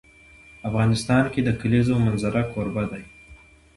افغانستان د د کلیزو منظره کوربه دی.